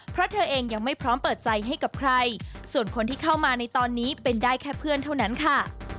เพราะเธอเองยังไม่พร้อมเปิดใจให้กับใครส่วนคนที่เข้ามาในตอนนี้เป็นได้แค่เพื่อนเท่านั้นค่ะ